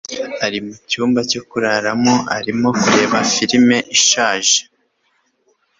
ari mucyumba cyo kuraramo arimo kureba firime ishaje.